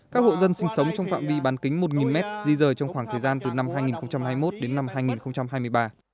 các hộ dân sinh sống trong phạm vi bán kính một m di rời trong khoảng thời gian từ năm hai nghìn hai mươi một đến năm hai nghìn hai mươi ba